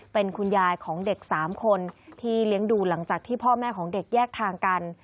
เป็นคุณยายของเด็ก๓คนที่เลี้ยงดูหลังจากที่พ่อแม่ของเด็กแยกทางกัน